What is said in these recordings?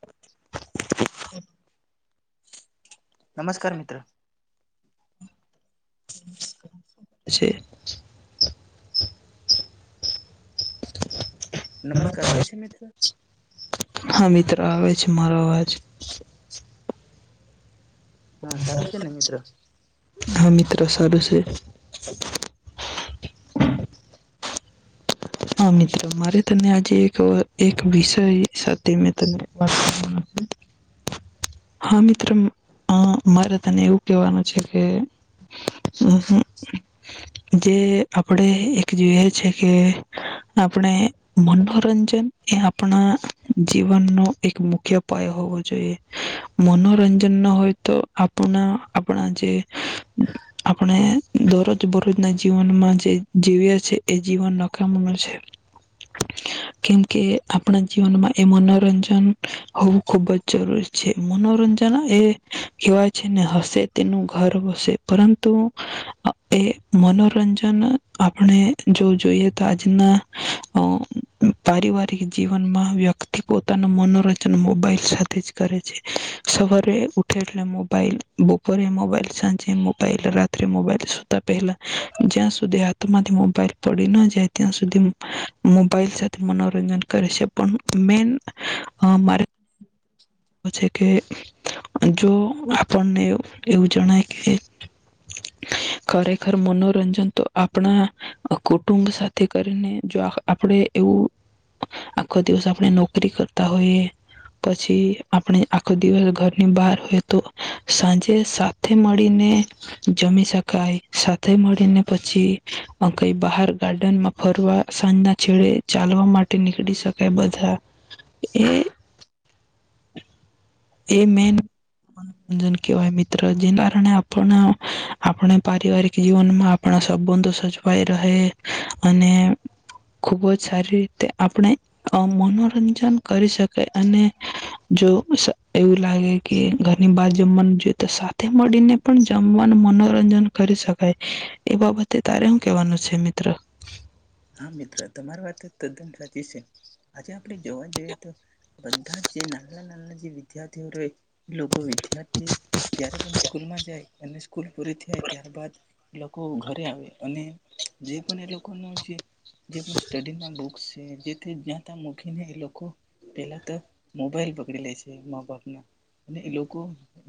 [inaudible] [inaudible] નમસ્કાર મિત્ર. છે નમસ્કાર આવે છે મિત્ર હમિત્રે આવ છે. મ્હારો અવાજ હા સરારું છે એ ને મિત્રો હ મિત રસાબ છે હા મ્ર મારે તને આજે એક વિષય સાથે મે તને વાત કરવા હા મિત્ર મારે તને એવું કેહેવાનું છે કે જે આપણે એક જોઈએ છે કે આપણે મનોરંજન એ આપણા જીવનનો એક મુખ્ય ઉપાય હોવો જોઈએ મનોરંજન ના હોય તો આપણા આપણા જે આપણે દરરોજ બરોજના જીવનમાં જે જીવ્યા છે એ જીવન. કેમ કે આપણા જીવનમાં એ મનોરંજન હોવું ખુબ જ જરૂરી છે મનોરંજન એ કહેવાય છે ને હશે તેનું ઘર્ હશે પરંતુ એ મનોરંજન આપણે જો જોઈએ તજના પારિવારિક જીવનમાં વ્યક્તિ થી પોતાનું મનોરંજન મોબાઈલ સાથે જ કરે છે. સવારે ઉઠે એટલે મોબાઈલ બપોરે મોબાઈલ સાંજે મોબાઈલ રાત્રે મોબાઈલ સુતા પહેલા જ્યાં સુધી હાથમાંથી મોબાઈલ પડી ન જાય ત્યાં સુધી મોબાઈલ સાથે મનોરંજન કરે છે પણ મેન મારે છે કે જો આપણને એવું જણાય કે ખરેખર મનોરંજન તો આપણા કુટુંબ સાથે કરીને જો આપણે. એવું આખો દિવસ આપણે નોકરી કરતા હોઈએ પછી આપણે આખો દિવસ ઘરની બહાર હોય તો સાંજે સાથે મળીને જમી શકાય. સાથે મળીને પછી કઈ બહાર ગાર્ડનમાં ફરવા સાંજના છેડે ચાલવા માટે નીકળી શકાય બધા એ એ મેન મનોરંજન કવાય મિત્ર તો જેના કારણે આપણ આપણે પારવારિક જીવનમાં આપણા સબબંધુ સજવાઈ રહે. અને ખુબ જ સારી રીતે. આપણે મનોરંજન કરી શકીાય અને. જો એવું લાગે કે. ઘરની બહાર જમવાનું જોઈ તો સાથે મળીને પણ જમવાનું મનોરંજન કરી શકાય એ બાબતે તારે હું કેહેવાનું છે સમિત્ર હા મિત્ર તમારી વાત તદ્દન સાચી છે આજે આપણે જોવા જઈએ તો બધા જ જે નાના નાના જે વિદ્યાર્થીઓ લોકો ત્યારથી જ્યારે પણ સ્કૂલમાં જાય. અને સ્કૂલ પૂરી થાય ત્યારબાદ એ લોકો ઘરે આવે અને જે પણ એ લોકોનું જે જે જ્યા ત્યાં મકીને એ લોકો પેલા તો મોબાઈલ પકડી લે છે મા બાપના અને એ લોકો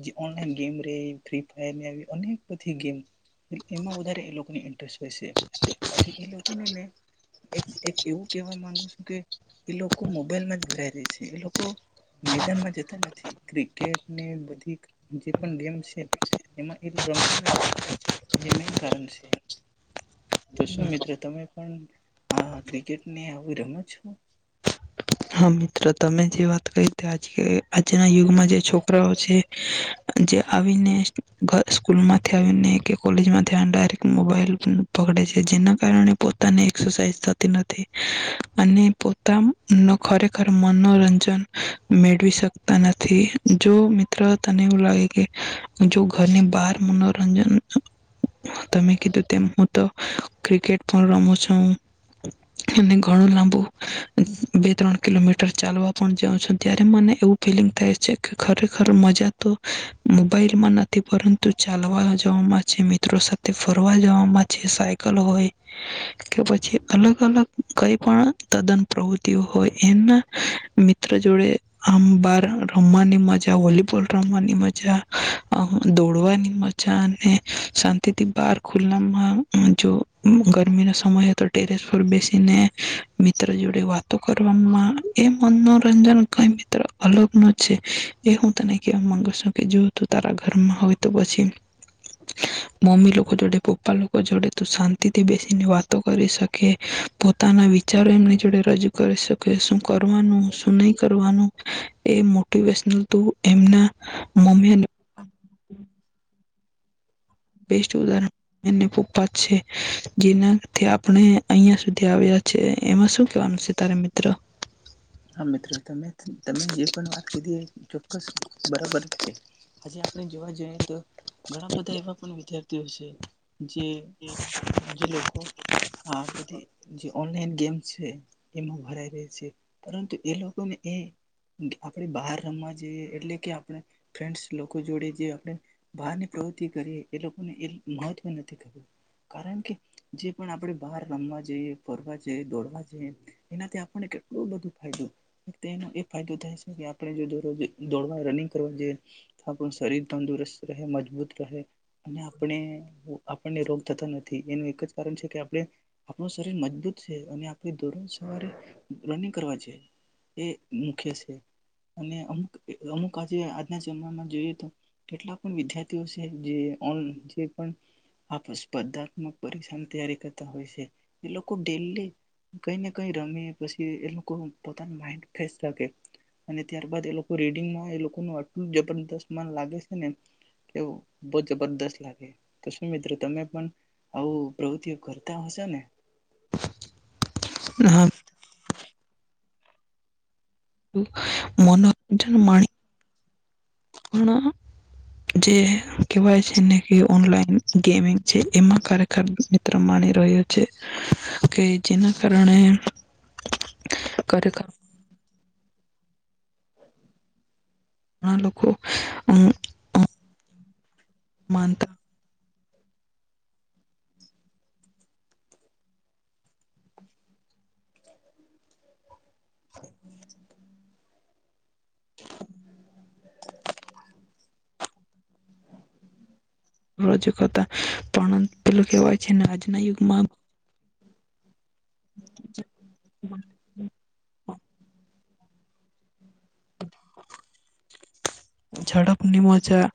જે ઓનલાન ગેમ ર ફ ફાયર અને બધી ગમ એમાં વધારે એ લોકો ઇન્ટરેસ્ટ હોય છે આથી એ લોકોને એક એક એવું કેહેવા માંગુ છું કે એ લોકો મોબાઈલમાં જ ભરાય ર છે એ લોકો મેદાનમાં જતા નથી ક્રિકેટને બધી જે પણ ગેમ છે એમાં રમતા નથી એ મેન કારણ છે તો શું મિત્ર તમે પણ આ ક્રિકેટ ને આવું રમત હા મ્ર તમે જે વાત કરી આજ આજના યુગમાં જે છોકરાઓ છે જે આવીને સ્કૂલમાંથી આવીને કે કોલેજમાં ધ ડાયરેક્ટ મોબાઈલ પકડે છે જેના કારણે પોતાની એસરસાઇઝ થતી નથી અને પોતા ખરેખર મનોરંજન મેળવી શકતા નથી જો મિત્ર તને એવું લાગે કે જો ઘરની બાર મનોરંજન તમે કીધું તેમ હું તો ક્રિકેટ પણ રમું છું અને ઘણું લાંબુ ત્રણ કિલોમીટર ચાલવા પણ જાઉં છું ત્યારે મને એવું ફિલિંગ થાય છે કે ખરેખર મજા તો મોબાઈલમાં નથી પરંતુ ચાલવા જવામાં છે મિત્રો સાથે ફરવા જવામાં છે સાયકલ હોય કે પછી અલગ અલગ કઈ પણ તદ્દન પ્રવૃત્તિઓ હોય એમના મિત્ર જોડે આમ બાર રમવાની મજા વોલીબોલ રમવાની મજા દોડવાની મજા અને શાંતિથી બાર ખુલ્લામાં જો ગરમી ના સમય તો ટેરેસ પર બેસીને મિત્ર જોડે વાતો કર મનોરંજન ક મ્ર અલગ ન છે એ હું તને કેવા માંગુ છું કે જો તું તારા ઘરમાં હોય તો પછી મમ્મી લોકો જોડે પપ્પા લોકો જોડે તું શાંતિ થી બેસીને વાતો કરી શકે પોતાના વિચારો એમની જોડે રજૂ કરી શક કે શું કરવાનું શું? નહી કરવાનું. એ મોટિવેશનલ ત એમના મમ્મી્ બેસ્ટ ઉદાહરણ એને પપ્પા છે જેનાથી આપણે અહં સુધી આવ્યા છે એમાં શું કેવાનું છે તારે મિત્ર. હા મિત્રો, તમે તમે જે પણ વાત કરીધી ચોક્કસ બરાબર જ છે હજ આપણે જોવા જઈએ તો ઘણા બધા એવા પણ વિચાર દિવસે જે જે લોકો હા બધી જે ઓનલાઈન ગેમ્ છે. એમાં ભરાય રહી છે. પરંતુ એ લોકોને એ આપણે બહાર રમવા જઈએ એટલે કે આપણે ફન્ડસ લોકો જોડે જે આપણે બહારની પ્રવૃત્તિ કરીએ એ લોકોને એ મહત્વ નથી ક્યું કારણ કે જે પણ આપણે બહાર રમવા જઈએ ફરવા જઈએ દોડવા જઈએ એનાથી આપને નો એ ફાયદો થાય છે કે આપણે જો દોડવા રનિંગ કરવા જોઈએ તો આપણું શરીર તંદુરસ્ત રહે મજબૂત રહે અને આપણે આપણને રોગ થતા નથી એનું એક જ કારણ છે કે આપણે આપણું શરીર મજબૂત છે અને આપ દોરોજ સવારે રનિંગ કરવા છે એ મુખ્ય છે અને અમુક અમુક આજે આજના જમાનામાં જોઈએ તો કેટલા પણ વિદ્યાર્થીઓ છે જે પણ સ્પર્ધાત્મક પરીક્ષાની તૈયારી કરતા હોય છે એ લોકો ડેલી કઈ ને કઈ રમેી પછી એ લોકો પોતાનું માઇન્ડ ફેશ રાે. અને ત્યારબદ એ લોકો રીડિંગમાં એ લોકો ન આટલું જબરદસ્ત મન લાગે છે. ને કે બહ જબરદસ્ત લાગે તો શું મિત્રો તમે પણ હવ પ્રવૃતિ. કરતા હશો નેહું હા મનોરંજન મા પણ જે કહેવાય છેને ઓનલાઈન ગેમિંગ છે, એમાં ખરેખર મિત્ર માની રહ્યો છે. કે જેના કારણે ખરેખર ઘણા લોકો માનતા [inaudible] [inaudible] રજકતા પણ પેલો કહેવાય છે આજના યુગમાં. [inaudible] [inaudible] ઝડપની મજા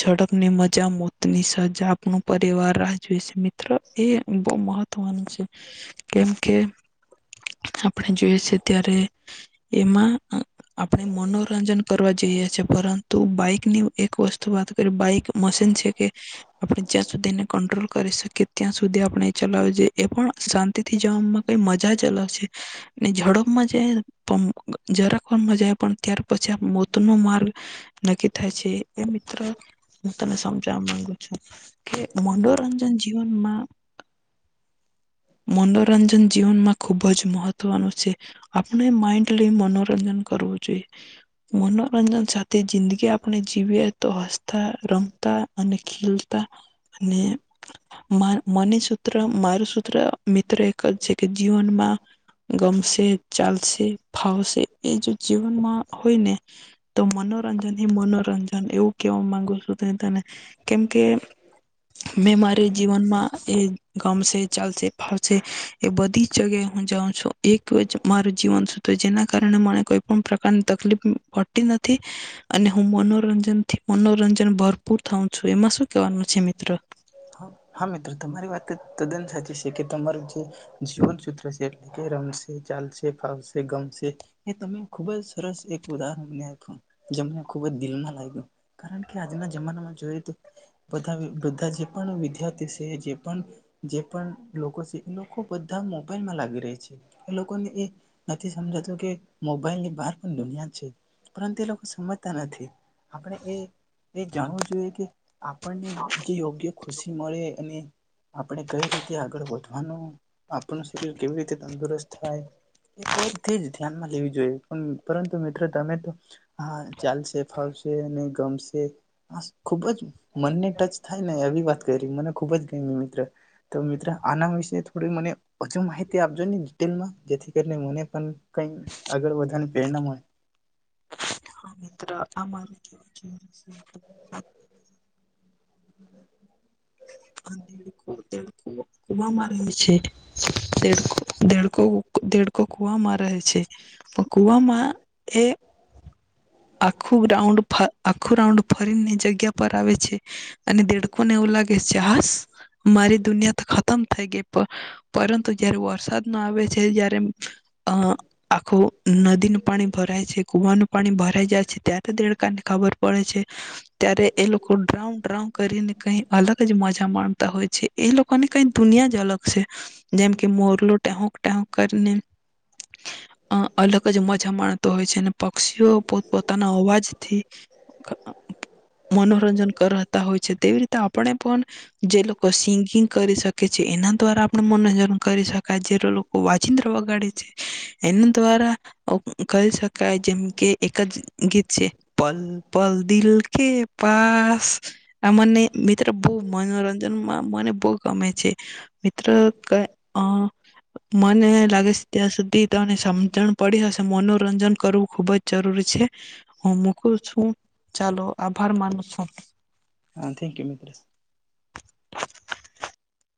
ઝડપની મજા મોતની સજા આપનો પરિવાર રાહ જોવે છે મિત્રો એ બહ મહત્વનું છે કેમ કે આપણે જોઈએ. સ ત્યારે, એમાં આપણે મનોરંજન કરવા. જઈએી પરંતુ બાઈકની એક વસ્તુ વાત કરીએ બાઈક મશીન છે કે આપણે જ્યાં સુધી એને કંટ્રોલ કરી શકીએ ત્યાં સુધી આપણે ચલાવીએ એ પણ શાંતિ થી જવામાં કઈ મજા જ ચલાવશે ઝડપમાં જાય જરાક મજા પણ ત્યાર પછી ન માર્ગ નક્કી થાય છે એ મિત્ર હું તને સમજવા માંગુ છું કે મનોરંજન જીવનમાં મનોરંજન જીવનમાં ખુબ જ મહત્વનું છે આપણે માઇન્ડ લઈ મનોરંજન કરવું જોઈએ મનોરંજન છાત્ર તે જિંદગી આપણે જીવીએ તો હસ્થા રમ અને ખીલતા અને મને સૂત્ર મારું સૂત્ર મિત્ર એક જ છે કે જીવનમાં ગમશે ચાલશે ફાવશે એ જો જીવનમાં હોય ને તો મનોરંજન હ મનોરંજન એવું કેવા માંગુ છું ત તને કેમ કે મેં મારી જીવનમાં એ ગમશે ચાલશે એ બધી જ જગ્યાએ હું જાઉં છું એક જ મારું જીવન સુું તો જેના કારણે મને કોઈ પણ પ્રકારની તકલીફ પતી નથી અને હું મનોરંજનથી મનોરંજન ભરપૂર થઉં છું એમાં શું કેવાનું છે મિત્ર હા મિત્રો તમારી વાત તદ્દન સાચી છે કે તમારું જે જીવન સૂત્ર છે એટલે કે રમશે ચાલશે ફાવશે ગમશે એ તમે ખુબ જ સરસ એક ઉદાહરણનેખ્યું જે મને ખૂબ જ દિલમાં લાગ્યું કારણ કે આજના જમાનામાં જોયએ તો બધા બધા જ જે પણ વિદ્યાર્થી છે જે પણ જે પણ લોકો છે એ લોકો બધા મોબાઈલમાં લાગી રહ્યા છે એ લોકોને એ નથી સમજાતું કે મોબાઈલ ની બહાર પણ દુનિયા છે પરંતુ એ લોકો સમજતા નથી. આપણે એ એ જાણવું જોઈએ કે આપણને જે યોગ્ય ખુશી મળે અને આપણે કઈ રીતે આગળ વધવાનું આપણું શરીર કેવી રીતે તંદુરસ્ત થાય એ બધી જ ધ્યાનમાં લેવી જોઈએ પરંતુ મિત્રો તમે તો આ ચાલશે ફાવશે અને ગમશે આ ખુબ જ મનને ટચ થાય ને આવી વાત કરી મને ખુબ જ ગમી મિત્ર તો મિત્ર આના વિશે થોડી મને હજુ માહિતી આપજોને ડીટેલમાં જેથી કરીને મને પણ કઈ આગળ વધવાની પ્રેરણા મળે હા મિત્ર [unintelligible] [unintelligible] દેડકો દેડકો કુવામાં રહે છે દ દેડકો દેડકો દેડકો કુવામાં રહે છે પકૂવામાં એ આખું રાઉન્ડ ફ આખું રાઉન્ડ ફરીને જગ્યા પર આવે છે અને દેડકોને એવું લાગે કે [unintelligible] મારી દુનિયા તો ખતમ થઈ ગઈ પર પરંતુ જયારે વરસાદ ન આવે છે જયારે અમ અ આખું નદીનું પાણી ભરાય છે કુવાનું પાણી ભરાઈ જાય છે ત્યારે દેડકા ને ખબર પડે છે ત્યારે એ લોકો ડ્રાઉ ડ્રાઉ કરીને કઈ અલગ જ મજા માણતા હોય છે એ લોકોને કઈ દુનિયા જ અલગ છે જેમ કે મોરલો ટેહુક ટેહુક કરીને અલગ જ મજા માણતો હોય છે અને પક્ષીઓ પોત પોતાના અવાજથી અ મનોરંજન કરતા હોય છે તેવી રીતે આપણે પણ જે લોકો સિંગિંગ કરી શકે છે એના દ્વારા આપણે મનોરંજન કરી શકાય જે લોકો વાજિદ્ર વગાડે છે એના દ્વારા કરીહી શકાય જેમ કે એક જ ગીત છે પલ પલ દિલ કે પાસ આ મને મિત્ર [unintelligible] મનોરંજનમાં મને બહુ ગમે છે મિત્ર ક અ મને લાગે છે ત્યાં સુધી તને સમજણ પડી હશે મનોરંજન કરવું ખુબ જ જરૂરી છે હું મૂકુ છું ચાલો આભાર માનું છું હા થેન્ક યુ મિત્રસ